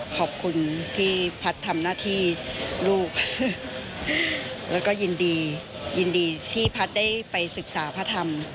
ขอบคุณที่พัฒน์ทำหน้าที่ลูกแล้วก็ยินดียินดีที่พัฒน์ได้ไปศึกษาพระธรรม